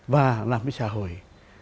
và làm với xã hội